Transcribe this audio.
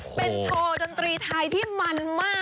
คงเรียกออกกันก่อน